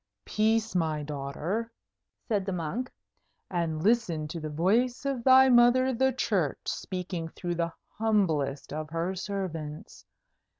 "Peace, my daughter," said the monk; "and listen to the voice of thy mother the Church speaking through the humblest of her servants.